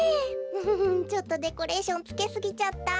フフフちょっとデコレーションつけすぎちゃった。